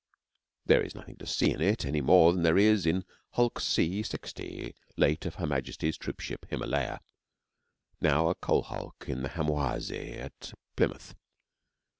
There is nothing to see in it any more than there is in Hulk C. 60, late of her Majesty's troopship Himalaya, now a coal hulk in the Hamoaze at Plymouth.